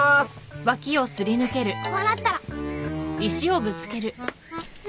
くっこうなったら。